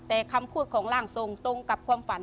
แต่คำพูดของร่างทรงตรงกับความฝัน